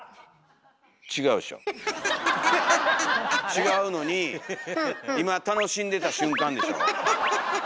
違うのに今楽しんでた瞬間でしょ？